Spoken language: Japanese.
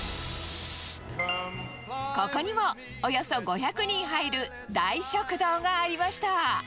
ここにもおよそ５００人入る大食堂がありました。